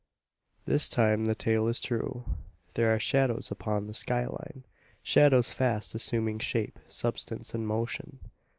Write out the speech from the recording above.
This time the tale is true. There are shadows upon the skyline shadows fast assuming shape, substance, and motion.